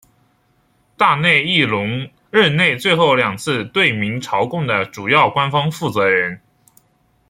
大内义隆任内最后两次对明朝贡的主要官方负责人。